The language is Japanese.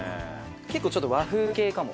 結構ちょっと和風系かも。